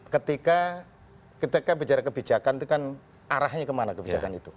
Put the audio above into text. ketika bicara kebijakan itu kan arahnya kemana kebijakan itu